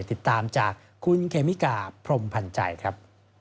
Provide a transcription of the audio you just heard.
ติดตามจากคุณเคมิกาพรมพันธ์ใจครับ